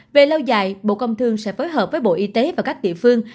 về lâu dài bộ công thương sẽ phối hợp với bộ y tế và các địa phương